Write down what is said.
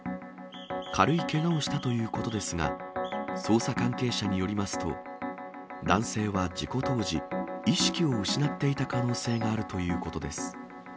軽いけがをしたということですが、捜査関係者によりますと、男性は事故当時、意識を失っていた可能性があるということです。